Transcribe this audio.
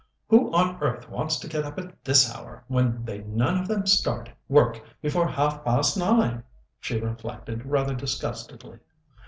"Who on earth wants to get up at this hour, when they none of them start work before half past nine!" she reflected rather disgustedly.